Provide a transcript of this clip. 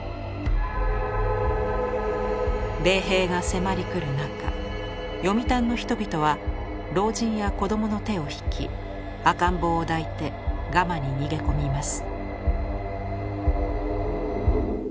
米兵が迫り来る中読谷の人々は老人や子どもの手を引き赤ん坊を抱いてガマに逃げ込みます。